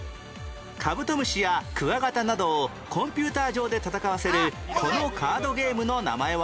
カブトムシやクワガタなどをコンピューター上で戦わせるこのカードゲームの名前は？